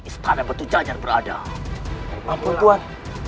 istana bertujajar berada ampun tuhan